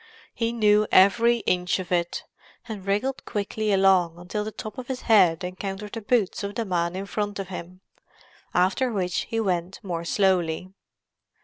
He knew every inch of it, and wriggled quickly along until the top of his head encountered the boots of the man in front of him, after which he went more slowly.